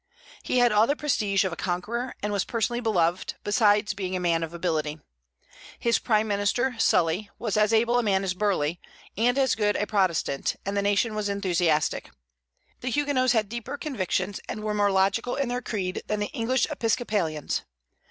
He had all the prestige of a conqueror, and was personally beloved, besides being a man of ability. His prime minister, Sully, was as able a man as Burleigh, and as good a Protestant; and the nation was enthusiastic. The Huguenots had deeper convictions, and were more logical in their creed, than the English Episcopalians.